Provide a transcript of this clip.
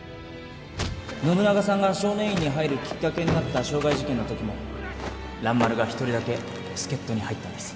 信長さんが少年院に入るきっかけになった傷害事件のときも蘭丸が１人だけ助っ人に入ったんです